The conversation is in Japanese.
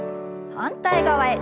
反対側へ。